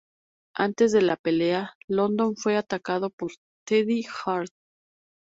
Antes de la pelea, London fue atacado por Teddy Hart.